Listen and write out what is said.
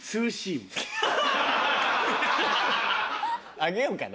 あげようかな？